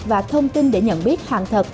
và thông tin để nhận biết hàng thật